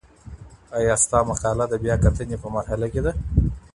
ایا ستا مقاله د بیاکتني په مرحله کي ده؟